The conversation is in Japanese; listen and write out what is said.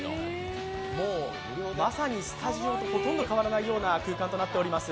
まさにスタジオとほとんど変わらないような空間となっております。